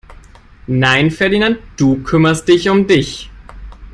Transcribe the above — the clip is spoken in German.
Nein Ferdinand, du kümmerst dich um dich!